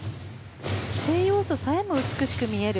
規定要素さえも美しく見せる